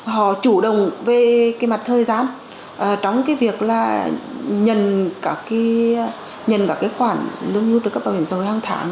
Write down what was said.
họ chủ động về cái mặt thời gian trong cái việc là nhận các khoản lương hưu trợ cấp bảo hiểm xã hội hàng tháng